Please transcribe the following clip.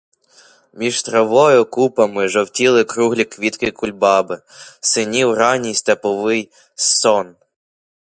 Між травою купами жовтіли круглі квітки кульбаби, синів ранній степовий сон.